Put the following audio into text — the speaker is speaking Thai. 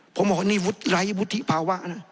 ผมบอกว่านี่วุฒิไร้วุฒิภาวะนะ